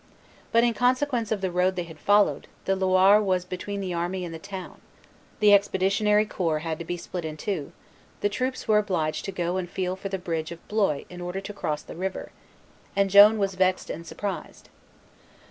But, in consequence of the road they had followed, the Loire was between the army and the town; the expeditionary corps had to be split in two; the troops were obliged to go and feel for the bridge of Blois in order to 'cross the river; and Joan was vexed and surprised.